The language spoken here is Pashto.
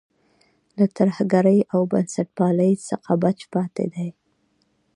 له ترهګرۍ او بنسټپالۍ څخه بچ پاتې دی.